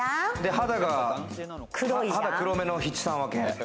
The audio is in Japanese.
肌が黒めの七三分け。